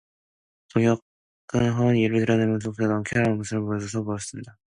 동혁은 허연 이를 드러내며 운동선수다운 쾌활한 웃음을 웃어 보인다.